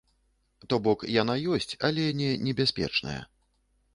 То бок яна ёсць, але не небяспечная.